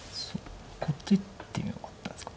こっちでもよかったんですか。